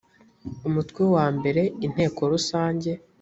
umutwe wa mbere inteko rusange